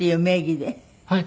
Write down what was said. はい。